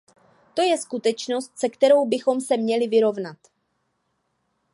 To je skutečnost, se kterou bychom se měli vyrovnat.